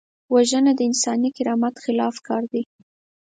وژنه د انساني کرامت خلاف کار دی